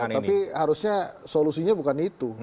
tapi harusnya solusinya bukan itu